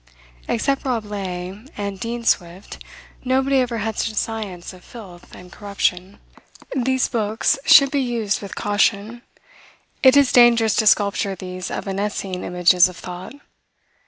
Except Rabelais and Dean Swift, nobody ever had such science of filth and corruption. These books should be used with caution. It is dangerous to sculpture these evanescing images of thought.